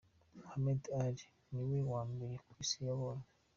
Muhammed Ali niwe wa mbere kw'isi nabonye.